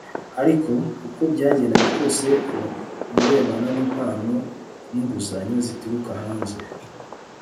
ariko, uko byagenda kose mu birebana n'impano n'inguzanyo zituruka hanze